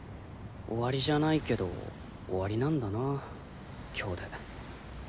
終わりじゃないけど終わりなんだな今日で。